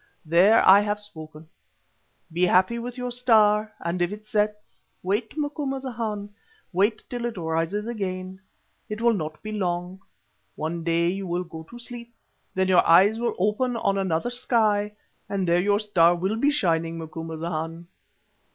There, I have spoken. Be happy with your star, and if it sets, wait, Macumazahn, wait till it rises again. It will not be long; one day you will go to sleep, then your eyes will open on another sky, and there your star will be shining, Macumazahn."